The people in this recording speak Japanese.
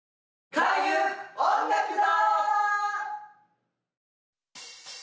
開運音楽堂！